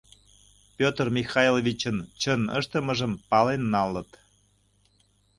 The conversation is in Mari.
Петр Михайловичын чын ыштымыжым пален налыт.